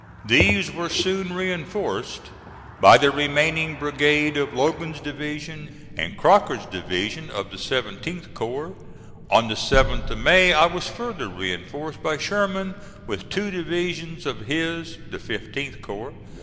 These were soon reinforced by the remaining brigade of Logan's division and Crocker's division of the 17th corps. On the 7th of May I was further reinforced by Sherman with two divisions of his, the 15th corps.